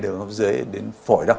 đường hốp dưới đến phổi đâu